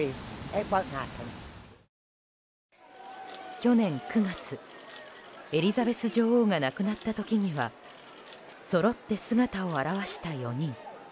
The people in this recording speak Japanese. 去年９月、エリザベス女王が亡くなった時にはそろって姿を現した４人。